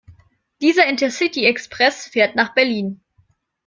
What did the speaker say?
Dieser Intercity-Express fährt nach Berlin.